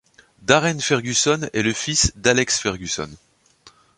Darren Ferguson est le fils d'Alex Ferguson.